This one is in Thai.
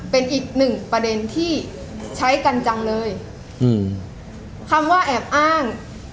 เป็นอีกหนึ่งประเด็นที่ใช้กันจังเลยอืมคำว่าแอบอ้าง